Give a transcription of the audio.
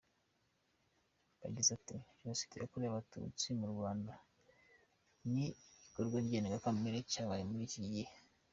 Yagize ati ‘‘Jenoside yakorewe Abatutsi mu Rwanda ni igikorwa ndengakamere cyabayeho muri iki gihe.